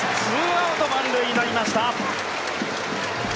２アウト満塁になりました。